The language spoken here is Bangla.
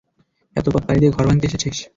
এত পথ পাড়ি দিয়ে ঘর ভাঙতে এসেছিস?